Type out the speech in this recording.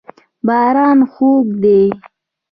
باران خوږ دی.